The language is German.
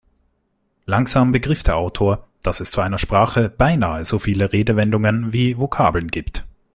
Langsam begriff der Autor, dass es zu einer Sprache beinahe so viele Redewendungen wie Vokabeln gibt.